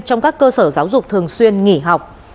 trong các cơ sở giáo dục thường xuyên nghỉ học